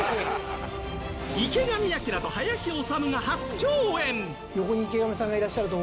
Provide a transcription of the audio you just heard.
池上彰と林修が初共演！